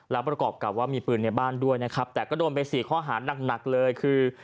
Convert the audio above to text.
แล้วประกอบกับว่ามีปืนในบ้านด้วยนะครับแต่ก็โดนไปสี่ข้อหานักหนักเลยคือ